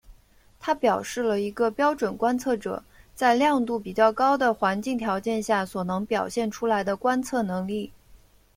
它表示了一个标准观测者在亮度比较高的环境条件下所表现出来的观测能力。